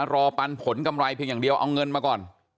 ปันผลกำไรเพียงอย่างเดียวเอาเงินมาก่อน